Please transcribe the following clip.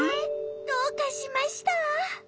どうかしました？